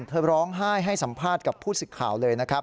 เธอร้องไห้ให้สัมภาษณ์กับผู้สิทธิ์ข่าวเลยนะครับ